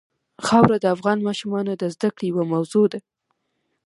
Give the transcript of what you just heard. خاوره د افغان ماشومانو د زده کړې یوه موضوع ده.